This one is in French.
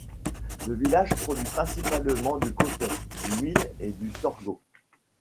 Le village produit principalement du coton, du mil et du sorgho.